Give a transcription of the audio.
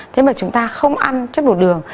thế mà chúng ta không ăn chất bột đường